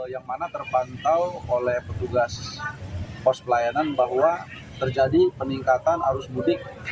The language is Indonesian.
yang mana terpantau oleh petugas pos pelayanan bahwa terjadi peningkatan arus mudik